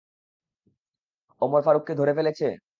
ওমর ফারুককে ধরে ফেলেছ?